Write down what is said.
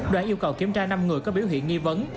đoàn yêu cầu kiểm tra năm người có biểu hiện nghi vấn